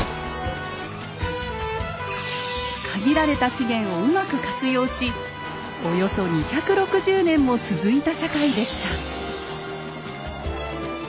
限られた資源をうまく活用しおよそ２６０年も続いた社会でした。